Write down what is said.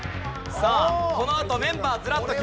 さあこのあとメンバーずらっときますよ。